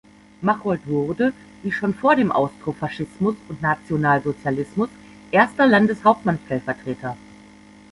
Machold wurde wie schon vor dem Austrofaschismus und Nationalsozialismus erster Landeshauptmannstellvertreter.